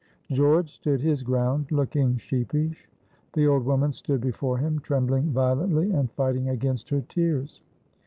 George stood his ground, looking sheepish; the old woman stood before him trembling violently and fighting against her tears.